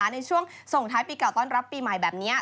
ในช่วงส่งท้ายปีเก่าต้อนรับปีใหม่แบบนี้